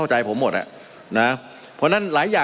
มันมีมาต่อเนื่องมีเหตุการณ์ที่ไม่เคยเกิดขึ้น